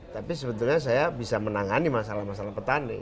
tapi sebetulnya saya bisa menangani masalah masalah petani